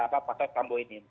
pak saif sambu ini